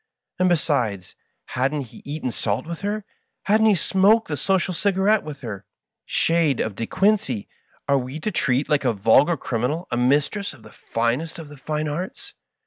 And, besides, hadn't he eaten salt with her? Hadn't he smoked the social cigarette with her ? Shade of De Quincey I are we to treat like a vulgar criminal a mistress of the finest of the fine arts?